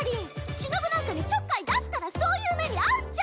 しのぶなんかにちょっかい出すからそういう目に遭うっちゃ！